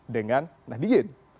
dengan nabi jin